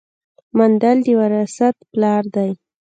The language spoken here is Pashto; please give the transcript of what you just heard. مندل د وراثت پلار دی